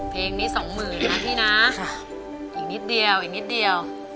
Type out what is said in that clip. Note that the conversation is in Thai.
เพลงนี้สองหมื่นนะพี่นะอีกนิดเดียวอีกนิดเดียว